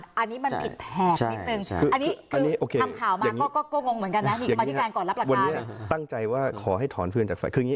วันนี้ตั้งใจว่าขอให้ถอนฟื้นจากฝ่าย